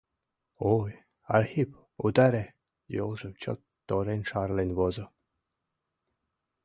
— Ой, Архип, утаре! — йолжым чот торен шарлен возо.